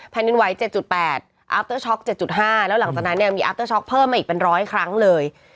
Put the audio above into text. แผ่นดินไหว๗๘อัพเตอร์ช็อก๗๕แล้วหลังจากนั้นเนี่ยมีอัพเตอร์ช็อกเพิ่มมาอีกเป็น๑๐๐ครั้งเลย